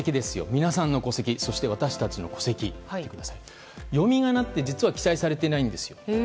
皆さんの戸籍そして私たちの戸籍読み仮名って実は記載されていないんですよ。